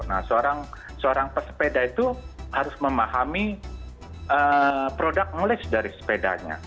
nah seorang pesepeda itu harus memahami product knowledge dari sepedanya